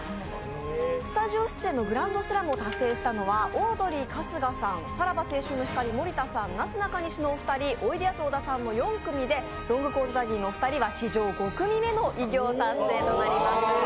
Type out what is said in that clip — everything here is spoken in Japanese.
スタジオ出演のグランドスラムを達成したのはオードリー春日さん、さらば青春の光・森田さん、なすなかにしのお二人おいでやす小田さんの４組でロングコートダディのお二人は史上５組目の偉業達成となります。